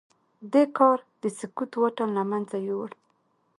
دې کار د سکوت واټن له منځه يووړ.